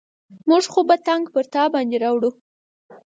موږ خو به تنګ پر تا باندې راوړو.